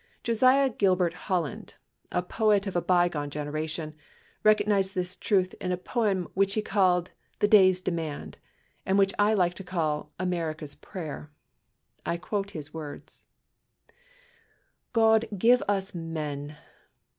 Josiah Gilbert Holland, a poet of a bygone generation, recognized this truth in a poem which he called "The Day's Demand", and which I like to call "America's Prayer". I quote his words : "God give us men